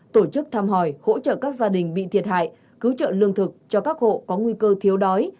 tổ chức thăm hỏi hỗ trợ các gia đình bị thiệt hại cứu trợ lương thực cho các hộ có nguy cơ thiếu đói